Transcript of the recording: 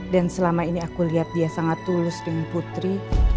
dan selama ini aku lihat dia sangat tulus dengan putri